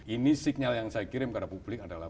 ini signal yang saya kirim kepada publik adalah